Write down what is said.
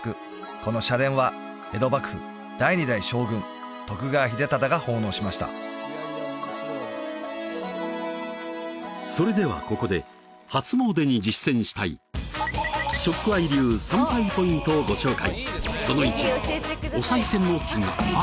この社殿は江戸幕府第２代将軍徳川秀忠が奉納しましたそれではここで初詣に実践したいをご紹介